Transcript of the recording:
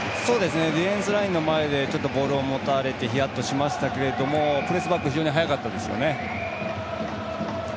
ディフェンスラインの前でボールを持たれてヒヤッとしましたけどプレスバック非常に早かったです。